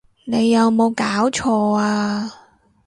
你有無攪錯呀！